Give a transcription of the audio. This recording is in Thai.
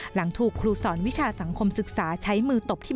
หลังถูกครูสอนวิชาสังคมศึกษาใช้มือตบที่